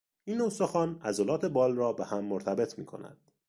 این استخوان عضلات بال را بههم مرتبط میکند.